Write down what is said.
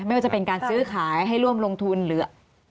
ไม่ว่าจะเป็นการซื้อขายให้ร่วมลงทุนหรือ